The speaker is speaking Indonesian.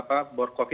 itu yang berarti